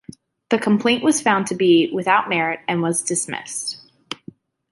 The complaint was found to be without merit, and was dismissed.